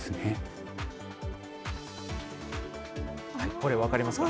これ、分かりますか。